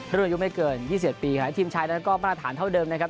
ร่วมอายุไม่เกินยี่สิบปีค่ะทีมชายนั้นก็ประนาถารเท่าเดิมนะครับ